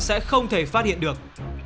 sẽ không thể phát hiện được